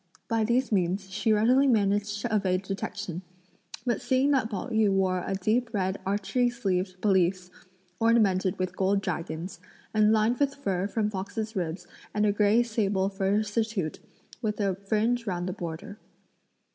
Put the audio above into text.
By these means she readily managed to evade detection; but seeing that Pao yü wore a deep red archery sleeved pelisse, ornamented with gold dragons, and lined with fur from foxes' ribs and a grey sable fur surtout with a fringe round the border.